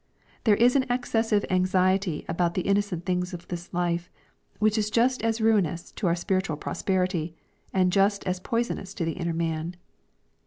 There is an exces sive anxiety about the innocent things of this life, which is just as ruinous to our spiritual prosperity, and just as poisonous to the inner man.